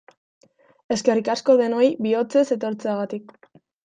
Eskerrik asko denoi bihotzez etortzeagatik!